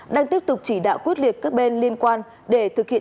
đang tiếp tục chỉ đạo quyết liệt các bên liên quan để thực hiện